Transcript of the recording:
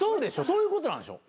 そういうことなんでしょ？